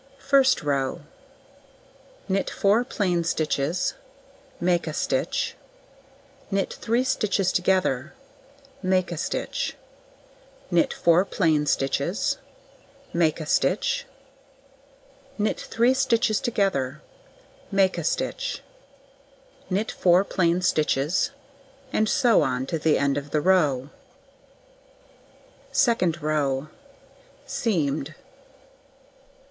First row: Knit 4 plain stitches, make a stitch, knit 3 stitches together, make a stitch, knit 4 plain stitches, make a stitch, knit 3 stitches together, make a stitch, knit 4 plain stitches, and so on to the end of the row. Second row: Seamed.